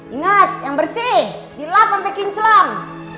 ingat yang bersih di lap sampe kinclong